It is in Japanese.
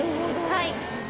はい。